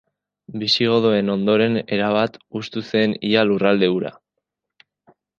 Bisigodoen ondoren erabat hustu zen ia lurralde hura.